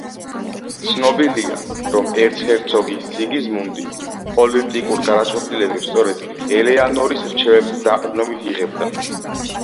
ცნობილია, რომ ერცჰერცოგი სიგიზმუნდი, პოლიტიკურ გადაწყვეტილებებს სწორედ ელეანორის რჩევებზე დაყრდნობით იღებდა.